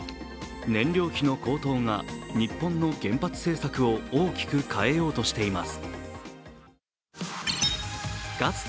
燃料費の高騰が日本の原発政策を大きく変えようとしています。